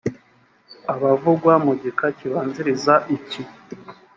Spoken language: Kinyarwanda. abavugwa mu gika kibanziriza iki